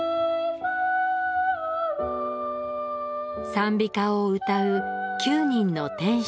賛美歌を歌う９人の天使たち。